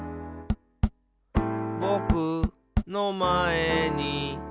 「ぼくのまえに」